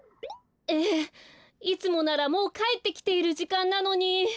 ええいつもならもうかえってきているじかんなのに。